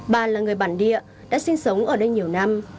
bà là người bản địa đã sinh sống ở đây nhiều năm